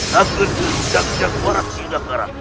rakyatnya sejak jak waras hingga sekarang